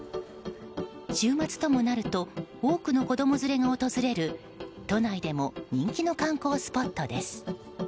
週末ともなると多くの子供連れが訪れる都内でも人気の観光スポットです。